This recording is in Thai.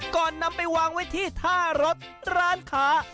ก่อนนำไปวางไว้ที่ท่ารถร้านค้า